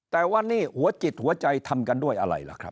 แต่ว่านี่หัวจิตหัวใจทำกันด้วยอะไรล่ะครับ